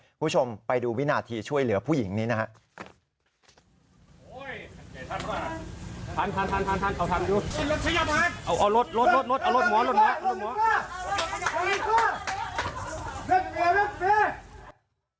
คุณผู้ชมไปดูวินาทีช่วยเหลือผู้หญิงนี้นะครับ